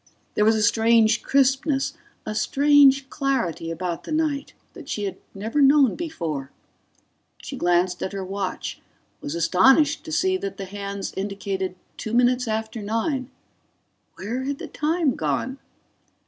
There was a strange crispness, a strange clarity about the night, that she had never known before ... She glanced at her watch, was astonished to see that the hands indicated two minutes after nine. Where had the time gone?